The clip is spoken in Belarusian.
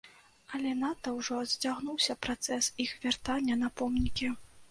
Але надта ўжо зацягнуўся працэс іх вяртання на помнікі.